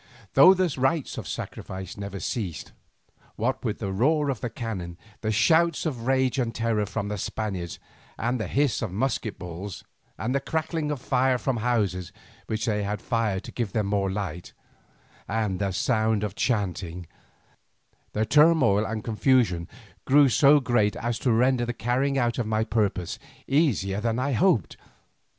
Now, though the rites of sacrifice never ceased, what with the roar of cannon, the shouts of rage and terror from the Spaniards, the hiss of musket balls, and the crackling of flames from houses which they had fired to give them more light, and the sound of chanting, the turmoil and confusion grew so great as to render the carrying out of my purpose easier than I had hoped.